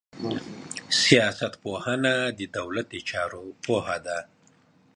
سياست پوهنه د دولت د چارو پوهه ده.